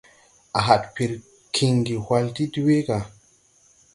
A had pir kiŋgi hwal ti dwee ga.